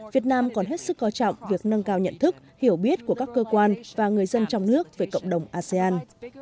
việt nam còn hết sức coi trọng việc nâng cao nhận thức hiểu biết của các cơ quan và người dân trong nước về cộng đồng asean